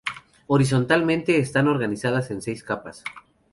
Horizontalmente, están organizadas en seis capas.